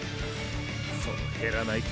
その減らない口